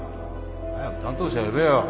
早く担当者呼べよ